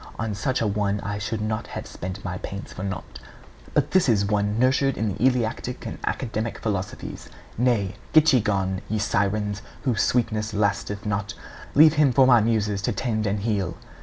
On such a one I should not have spent my pains for naught. But this is one nurtured in the Eleatic and Academic philosophies. Nay, get ye gone, ye sirens, whose sweetness lasteth not; leave him for my muses to tend and heal!'